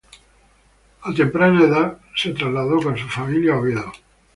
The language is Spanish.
A temprana edad se trasladó con su familia a Oviedo.